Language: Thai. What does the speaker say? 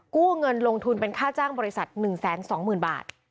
กู้เงินลงทุนเป็นค่าจ้างบริษัท๑๒๐๐๐บาท